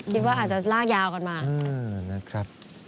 ดิว่าอาจจะรากยาวก่อนมา